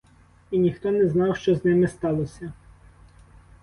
І ніхто не знав, що з ними сталося.